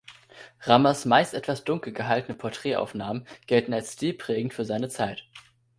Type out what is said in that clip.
Ramas meist etwas dunkel gehaltene Porträtaufnahmen gelten als stilprägend für seine Zeit.